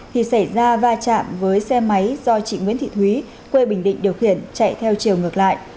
thì xảy ra va chạm với xe máy do chị nguyễn thị thúy quê bình định điều khiển chạy theo chiều ngược lại